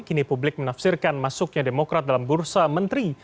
kini publik menafsirkan masuknya demokrat dalam bursa menteri